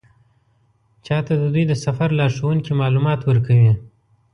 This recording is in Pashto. چا ته د دوی د سفر لارښوونکي معلومات ورکوي.